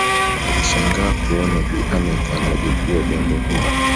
Alishangaa kuona Bi Aneth analijua jambo hili